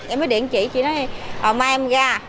em mới điện chị chị nói mai em ga